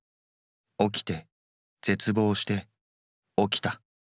起きて絶望して起きた。